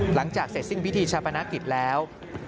หลังจากเสร็จสิ้นพิธีชาปนกิจแล้ว